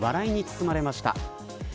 笑いに包まれました。